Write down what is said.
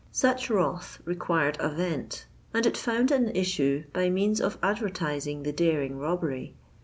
Such wrath required a vent; and it found an issue by means of advertising the daring robbery.